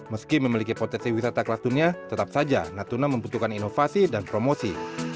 meski memiliki potensi wisata kelas dunia tetap saja natuna membutuhkan inovasi dan promosi